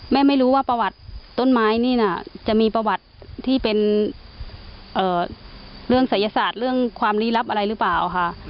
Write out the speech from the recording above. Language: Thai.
ไม่รู้ว่าประวัติต้นไม้นี่น่ะจะมีประวัติที่เป็นเรื่องศัยศาสตร์เรื่องความลี้ลับอะไรหรือเปล่าค่ะ